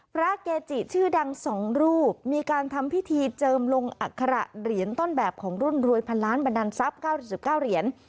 พระเกจิชื่อดัง๒รูปมีการทำพิธีเจิมลงอัคระเหรียญต้นแบบของรุ่นรวยพันล้านบันดาลทรัพย์๙๙เหรียญ